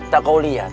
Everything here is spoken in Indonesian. tak kau lihat